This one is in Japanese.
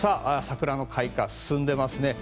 桜の開花、進んでいます。